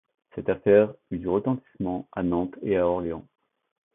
Cette affaire eut du retentissement à Nantes et à Orléans.